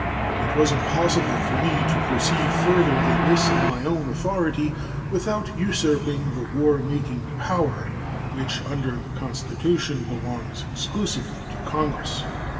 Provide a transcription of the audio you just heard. It was impossible for me to proceed further than this on my own authority without usurping the war making power, which under the Constitution belongs exclusively to Congress.